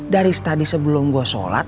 dari tadi sebelum gue sholat